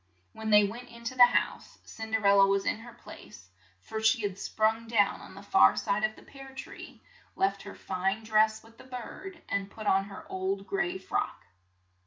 When they went in to the house, Cin der el la was in her place, for she had sprung down on the far side of the pear tree, left her fine dress with the bird, and put on her old gray frock.